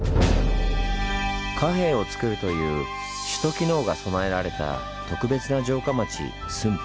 貨幣をつくるという首都機能が備えられた特別な城下町駿府。